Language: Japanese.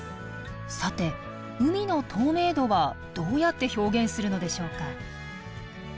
さて海の透明度はどうやって表現するのでしょうか。